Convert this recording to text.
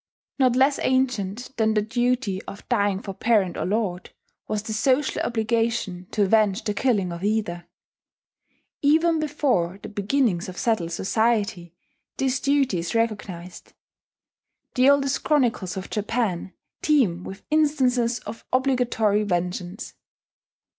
Not less ancient than the duty of dying for parent or lord was the social obligation to avenge the killing of either. Even before the beginnings of settled society, this duty is recognized. The oldest chronicles of Japan teem with instances of obligatory vengeance.